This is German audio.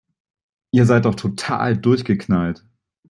Ihr seid doch total durchgeknallt!